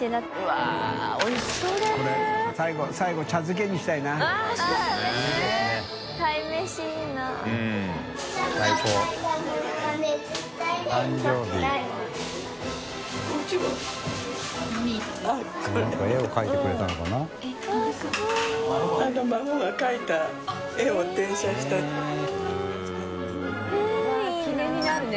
わっ記念になるね。